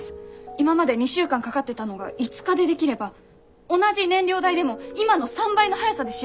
今まで２週間かかってたのが５日でできれば同じ燃料代でも今の３倍の速さで仕上がります。